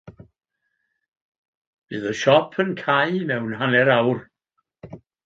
Bydd y siop yn cau mewn hanner awr.